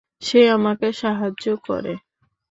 সে আমাকে সাহায্য করে।